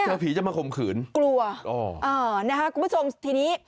เจ้าผีจะมาคมขืนกลัวนะครับคุณผู้ชมทีนี้